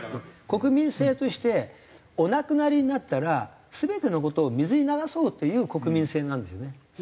国民性としてお亡くなりになったら全ての事を水に流そうという国民性なんですよね。